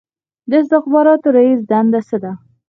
د استخباراتو رییس دنده څه ده؟